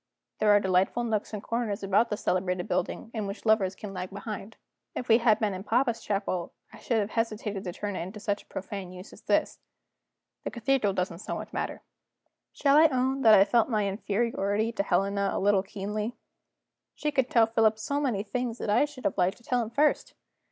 There are delightful nooks and corners about this celebrated building in which lovers can lag behind. If we had been in papa's chapel I should have hesitated to turn it to such a profane use as this; the cathedral doesn't so much matter. Shall I own that I felt my inferiority to Helena a little keenly? She could tell Philip so many things that I should have liked to tell him first.